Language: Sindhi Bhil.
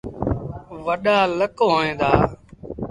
وڏآ لڪ هوئيݩ دآ۔